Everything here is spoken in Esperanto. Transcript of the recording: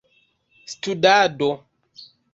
studado